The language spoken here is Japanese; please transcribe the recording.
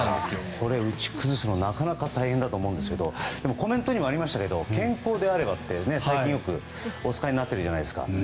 これ、打ち崩すのなかなか大変だと思うんですけどでもコメントにもありましたが健康であればって最近よく、お使いになっているじゃないですか。